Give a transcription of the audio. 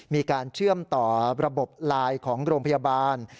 มีการเชื่อมต่อระบบไลน์ของโรงพยาบาล